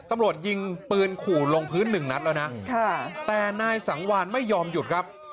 ตำรวจยิงปืนขู่ลงพื้นหนึ่งนัดแล้วนะแต่นายสังวานไม่ยอมหยุดครับ